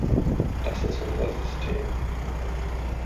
Das ist unser System.